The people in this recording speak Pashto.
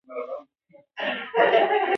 دوی ډېر مسلمانان ووژل.